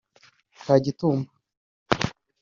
Kagitumba